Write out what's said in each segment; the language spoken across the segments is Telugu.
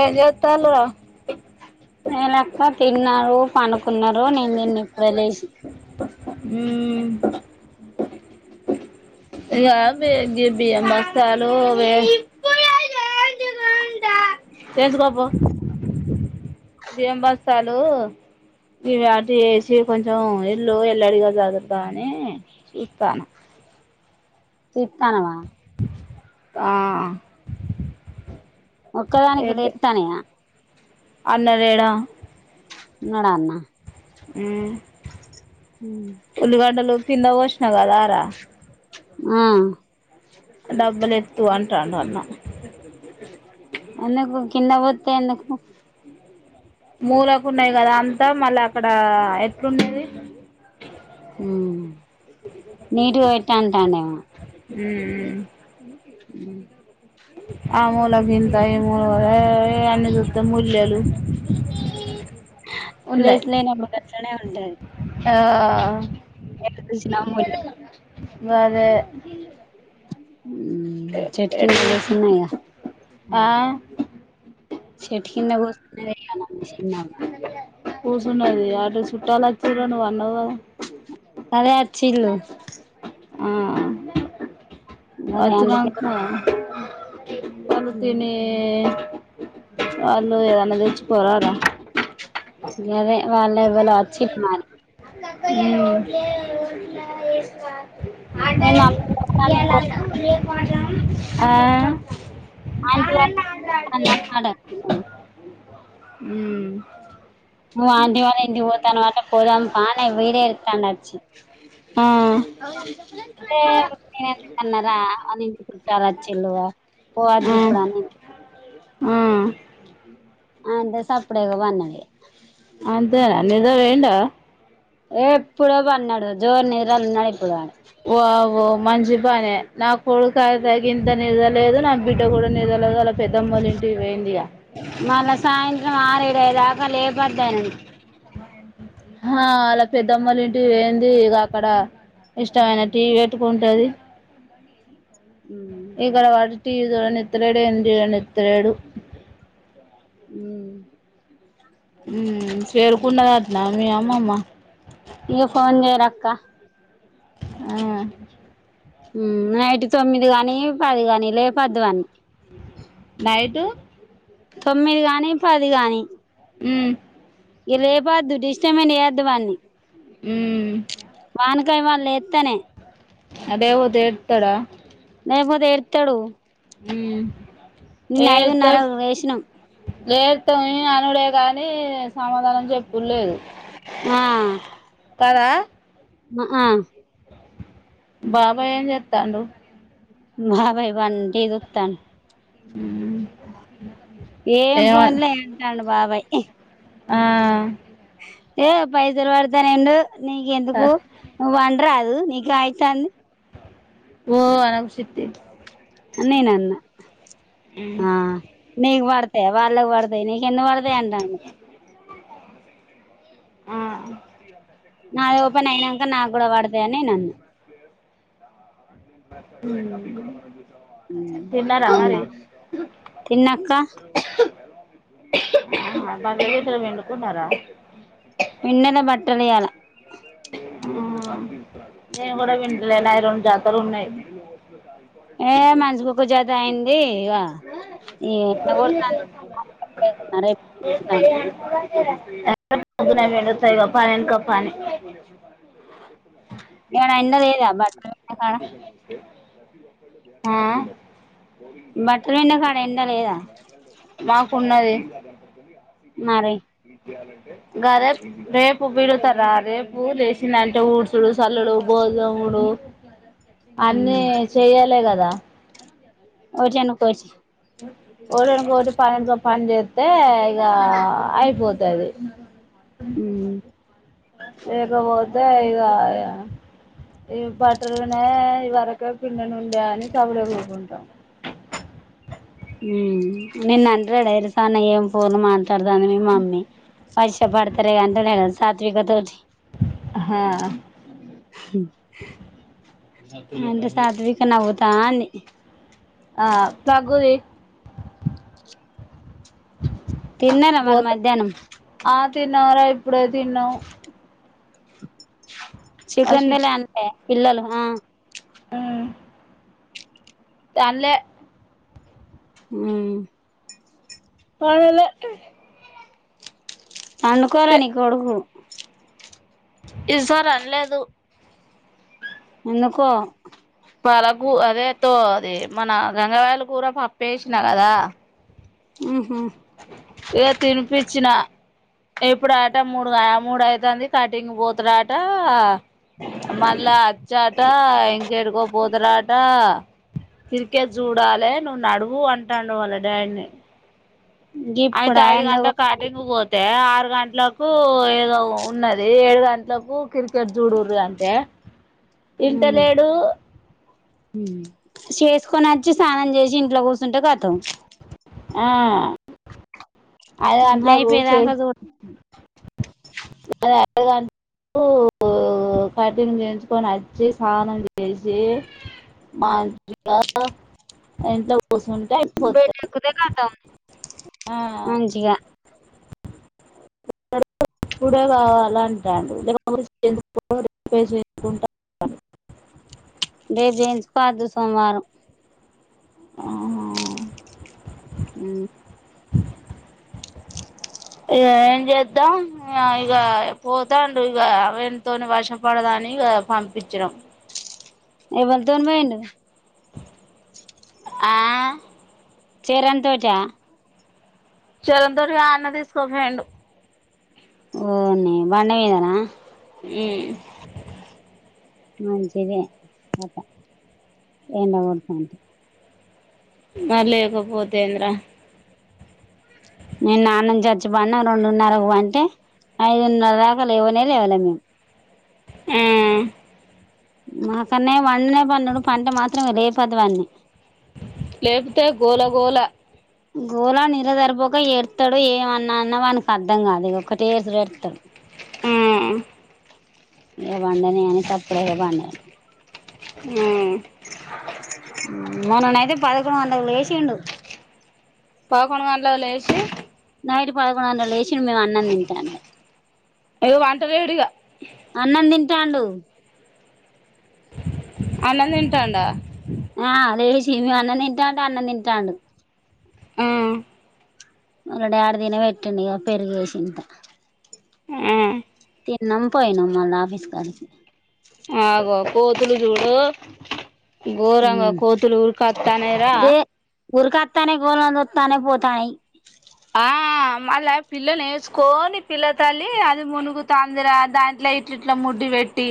ఏం చేత్తాలు రా నేనక్క తిన్నారు పనుకున్నారు నేను తిన్ని ఇప్పుడు ఎ లేసి యాబీ గ బి గిబియలు మసాలు లెస్ తెచ్చుకోపో బియ్యం బస్తాలు ఇవి ఆటి వేసి కొంచెం ఇల్లు ఇల్లుడిగా జగూదం అని చూస్తాన తితన్నావ ఆ ఒక్కదానికి లేస్తనాయ అన్నాలేడా ఉన్నడన్న ఉమ్ ఉల్లి వాడాలో కింద వోశ్ననవ్ కదా రా ఆ డబ్బులు ఎత్తు అడండా అన్న ఎందుకు కింద పోతే ఎందుకు మూలాకు ఉన్నాయి కదా అంతా మళ్ళీ అక్కడ ఎట్లుండది అమ్ నీరు పోయిట్టాంటానదేమో ఉమ్ అమ్ ఆ మూల ఇంత ఈ మూల అన్ని దత్త మూల్యలు ప్లేస్ లేనప్పుడు ఉంటే ఆ మేలో తీసి నార్మల్ గా పెట్టి అదే చఠకిని నువ్వు చూసిన వీసుకున్నా గా ఆ చెట్టు కింద కూర్చునే ఎక్కాల బస్తునే ఇన్నా వా కూర్సున్నది అటు చుట్టాలు వచ్చిడం ను వన్నవుదా అరే వచ్చిలు ఆ గదే అచ్చి అందుకే నాంక తను తినే అళ్ళు ఏదైనా తెచి పోరారా ఇ అదే వాళ్ళవలే అచ్చి మరి అమ్ అంట మేము అల్లం పోతాంది ఏళ పో లేక ఆ ఆంటి న ఉమ్ మో ఆంటి వాళ్ళు ఇంటికి పోతాను అటు పోదాం ప నేను విడియో ఇస్తాండు వచ్చి ఆ అే న ఎ అన్నారా అని చుట్టారా చెల్లువ ఆ పోవద్ది ఇప్పుడు అని ఆ అంటే సప్పుడేగా పన్నది అదే న నిజావేందో ఏ ఎప్పుడో బన్నాడు జోరు నిద్ర అన్నాడు ఇప్పుడు ఓవో మంచి పనే నా కోడుకాయ త ఇంత నిదలేదు నా బిడ్డ కూడా నిద్ర మళ్ళా సాయంత్రం ఆరు ఏడు అయ్యే దాకా లు వధనం ఆ ఆళ్ల పెద్దమ్మలు ఇంటి పోయింది ఇగ అక్కడ ఇష్టమైన టీ వీ పెట్టుకుంటది ఇక్కడ పడ్ టీ వీ చూడనిత్తలేడు ఏం చూడనిత్తలేడు మ్మ్ మ్మ్ చేరుకున్నదట్న మీ ఆ మ్మమ్మ కా ఆ మ్మ్ నైట్ తొమ్మిది కాని పది కాని లేపద్దు వాన్ని నైటు తొమ్మిది గాని పది గాని ఉమ్ ఏ లేపద్దు డిస్ [unintelligible] నీయ్యడ్డు వాన్ని ఊ కైమాలేత్తనే అదేవోదు ఏడుత్తాడా ఐపోతే ఏడుత్తాడు నిన్న ఐదున్నరకు వేసినం గేరుతోని అనుడే గానీ సమాధానం చెప్పుడు లేదు ఆ పారా మ ఆ బాబాయ్ ఏం చేత్తాండు బాబాయ్ బన్ టీ దూత్తాన్ [unintelligible] ఏం ఏమ ఫోన్లే ఏం కాను బాబయ్ ఆ ఏ పైసలు పడతయ్ నెండు నీకెందుకు నువ్ వండరా ఊ నీకు అయితంది ఓ ఆరం సిద్ధి ఆ నేనన్న ఆ నీక్ పడ్ తే వాళ్ళకు పడతాయి నీకు ఎందుకు పడతాయి అంటాండు ఆ నాది ఓపెన్ అయినాంక నాక్ కూడా పడతాయని నేను అన్నా మ్మ్ మ్మ్ అవునా తిన్నాక్క [inaudible] వెండుకున్నారా విన్నల బట్టల యాల నేను కూడా వింటలేయ నాయి రండు జా ఉన్నాయ్ ఏ మంచి కుక్క జత అయ్యింది ఇగ [unintelligible] ఇంకోపని కప్పాని నిన్న ఎండలేదా బట్ట ఆ ఆ బట్టలు పిండే కాడ ఎండ లేదా మాకున్నది తెయ మరిే గ రేపు రేపు బిడుతారా రేపు లేసిందంటే ఊడ్సుడు చల్లుడు గోధాముడు అన్నిీ చెయ్యాలి కదా ఓజాను కోచి ఒకటివెనుక ఒకటి పనిక పని చేస్తే ఇక అయిపోతాది మ్మ్ లేకపోతే ఇద ఇ బట్టలునే వరకే పిండిని ఉండే అని సబిడే ఊరుకుంటాం మ్ నిన్ను అంటాడా ఆయన సనా ఏం ఫోన్ మా దాని మీ మమ్మీ పరిశ్యా పడతారు కంట సాత్వికతోజి హా ఏంటి సాత్విక నవ్యు పానీ ఆ ప్రగుుది తిన్నార మరి మధ్యాహ్నం తినలేదు ఇప్పుడే తిన్నా చికెన్ బిర్యాని అంట పిల్లలు ఆ ఊ తన్లే మ్ ఏం లే పండుకోల నీ కొడుకు ఈ సారి అనలేదు ఎందుకో పాలకు అదే తో అది మన గంగవాయలు కూర పప్పేసిన కదా హ్మ్ ఏ తిను పిచ్చిన ఇప్పుడు ఆట మూడుగ మూడు ఐతంది కటింగ్ పోతడట మళ్ళ అచ రా ఇంకేడుకో పోతరాట క్రికెట్ చూడాలే నువ్వు నడువు అంటాండు వాళ్ళ డాడ్ ని. అయి గిప్పుడా ఎండ లోజై కటి కొడతాంది ను పోతే ఆరు గంటలకు ఏదో ఉన్నది ఏడు గంటలకు క్రికెట్ చూడరు అంటే ఇంట మ్మ్ లేడు చేసుకొని వచ్చి స్నానం చేసి ఇంట్లో కూర్చుంటే కతం ఆ ఐదు హ్మ్ గంటలకు చే అయిపోయేదాకా చు అది కటింగ్ చేంచుకొని అచ్చి స్నానం చేసి మంచిగా ఇంట్లో కూర్చుంటే అయిపోతది బెడ్ ఎక్కుతే కతం ఆ మంచిగా [unintelligible] ఇప్పుడే కావాల అంటాండు లేక పోతే రేపు చేయించుకోవద్దు సోమవారం హ హ హ్మ్ [unintelligible] ఇగ ఏం చేద్దాం ఇగ ఇగ పోత్ తాండు ఇంగ వీన్ తోని వశ పడదని ఇగా పంపించినం ఏవల్ తోని పోయిండు ఆ చరణ్ తోటా చరణ్ తోటి కాదు అన్న తీసుకున్ పోయిండు ఓ నీ బండి మీదన హ్మ్ మంచిదే అట్ట ఎండకొడుతుంటే మరి లేకపోతే ఏందిరా నిన్న ఆనుంచి వచ్చి పనము రెండున్నరకు పంటే ఐదున్నర దాకా లేవలే లేమి హ్మ్ మా కన్నయ్య పండనే పండడు పంటె మాత్రం లేపొద్దు వాన్ని లేపితే గోల గోళ గోలా నిద్ర సరిపోక ఏడతాడు ఏమన్నా అన్న వానికి అర్థం కాదు ఒకటే ఏడుసుడు ఎడతాడు [unintelligible] ఏ పండని అని ఇగా కాక్ సప్పుడిగా పాండ్ హ్మ్ హ్మ్ మననైతే పదకొండు గంటలకి లేసిండు పదకొండు గంటలకి లేసి నైట్ పదకొడు గంటలకు లేసిండు మేము అన్నం తింటాంటె, ఇగ వంటలేడిగా అన్నం తిం టాండు. అన్నందింటాండ? ఆ లేసి మేం అన్నం తింటాంటె అన్నం తింటాడు. అ వల్ల డాడి తినబెట్టిండు ఇగ పెరుగు ఏసి ఇంత. ఆ తిన్నం పోయినమ్, మళ్ళ ఆఫీస్ కాడికి. ఆగో కోతులు జూడు. గోరంగ ఉమ్ కోతులు ఉర్కత్తానయ్ రా. ఉర్కత్తానయ్ గోరంగ ఒత్తానయ్ పోతానయ్. ఆ మళ్ళా పిల్ల నేస్కోని పిల్ల తల్లి అది మునుగు తాందిర, దాంట్లే ఇట్లిట్ల ముడ్డి పెట్టి.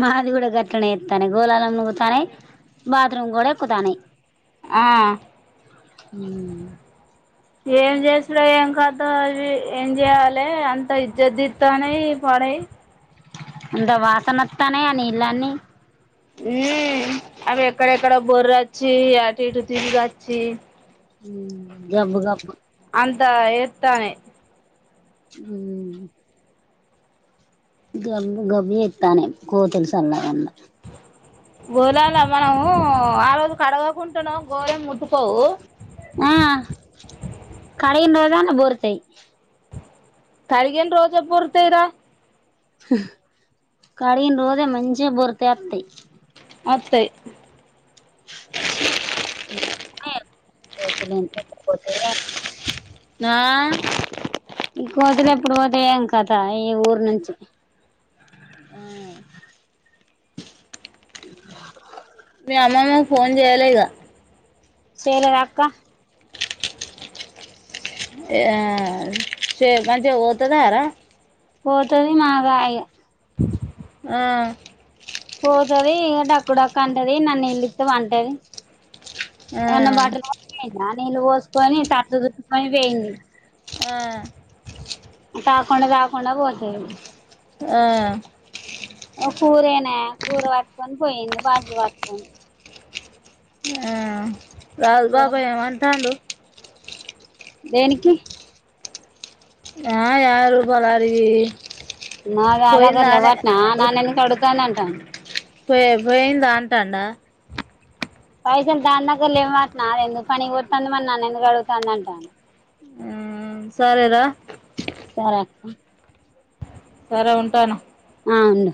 మాది గుడ గట్లనే త్తానయ్ గోళాలన్ను గుతానయ్, బాత్రూమ్ గుడా ఎక్కుతానయ్. ఆ ఉమ్ ఏం జేసుడో ఏం కథో అవి ఏం జేయాలే అంత ఇజ్జద్దీత్తానయ్ పడయి. అంత వాసన అత్తానయ్ ఆ నీళ్ళన్నీ. ఉమ్ అవి ఎక్కడెక్కడో బొర్రచ్చి అటు ఇటు తీరుగచ్చీ. గబ్బు గబ్బు అంతా ఏత్తానయ్. ఉమ్ గబ్బు గబ్బు జెత్తానయ్, కోతులు సళ్ళగుండ. గోలాల్ల మనము ఆ రోజు కడగకుంటనో గోలేం ముట్టుకోవు. ఆ కడిగిన్రోజూ అల్ల బోర్లుతయ్. కడిగిన్రోజే బొర్రుతయ్ రా. కడిగిన్రోజే మంచిగ బొర్రుతయ్ అత్తయ్. ఒత్తయ్. [inaudible] కోతులు ఇంట్లకిపోతే. ఆ ఈ కోతులు ఎప్పుడు పోతయో ఏం కథ ఈ ఊరు నుంచి? ఉమ్ మీ అమ్మమ్మకు ఫోన్ జేయలె ఇగ? చేయలేదక్క. ఆ చే మంచిగ పోతదార? పోతది మాగా ఇగ. ఆ పోతది ఇగ డక్కు డక్కు అంటది, ఇన్నన్ని నీల్లిత్తె పంటది. ఆ ఏవన్నా [unintelligible] నీళ్ళు పోసుకొని, తట్టు జుట్టుకొని పోయింది. ఆ కొన్ని గాకుండ బోతయ్. ఆ కూరేనాయే, కూర పట్టుకొని పోయింది బాటిల్ పట్కొని. ఆ లాల్ బాబాయ ఏ అంటాండు? దేనికినికి ఆ యారు బలారగి మ అలా గల వాట్న నాని కాడు దనంఅంటాడు పోయి పోయింది దా అంటాన్డా పైసలు దాన్ దగ్గర లేవన్టన్న అది ఎందుకు పని కి పోతుంది మరీ నన్ ఎందుకు అడుగుతుంది అంటాను ఉమ్మ్ సరేరా సరే అక్క సరే ఉంటాను ఆ ఉండు